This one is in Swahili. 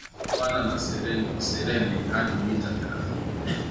upana na serene hadi mita thelathini na